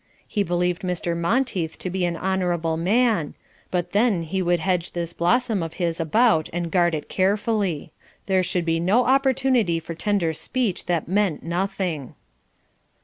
He believed Mr. Monteith to be an honourable man, but then he would hedge this blossom of his about and guard it carefully. There should be no opportunity for tender speech that meant nothing.